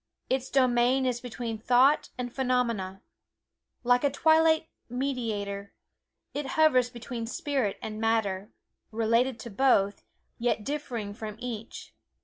Its domain is between thought and phenomena. Like a twilight mediator, it hovers between spirit and matter, related to both, yet differing from each.